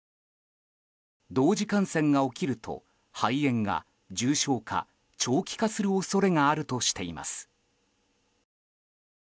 同時感染が起きると肺炎が重症化長期化する恐れがあるとしています。